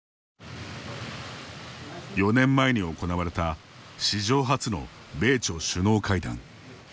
４年前に行われた史上初の米朝首脳会談。